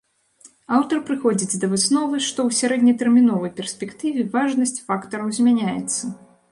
Аўтар прыходзіць да высновы, што ў сярэднетэрміновай перспектыве важнасць фактараў змяняецца.